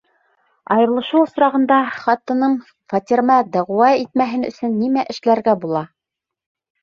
Айырылышыу осрағында ҡатыным фатирыма дәғүә итмәһен өсөн нимә эшләргә була?